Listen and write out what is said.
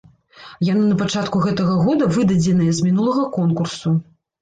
Яны на пачатку гэтага года выдадзеныя, з мінулага конкурсу.